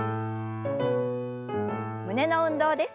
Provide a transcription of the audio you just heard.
胸の運動です。